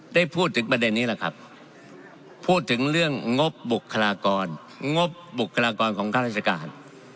ได้พูดถึงประเด็นนี้แหละครับพูดถึงเรื่องงบบุคลากรงบบุคลากรของข้าราชการ